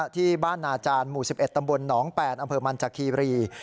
ที่บ้านนาจารย์หมู่๑๑ตำบลหนอง๘อำเภอมันจากคีรี